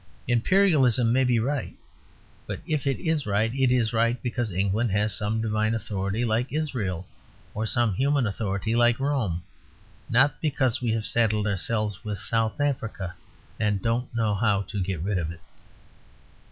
Imperialism may be right. But if it is right, it is right because England has some divine authority like Israel, or some human authority like Rome; not because we have saddled ourselves with South Africa, and don't know how to get rid of it.